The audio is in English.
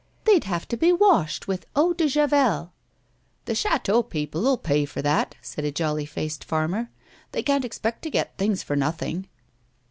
" They'd have to be washed with eau de javelle." " The chateau people'll pay for that," said a jolly faced farmer. " They can't expect to get things for nothing."